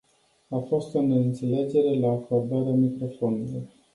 A fost o neînțelegere la acordarea microfonului.